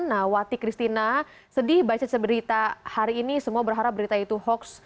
nah wati christina sedih baca seberita hari ini semua berharap berita itu hoax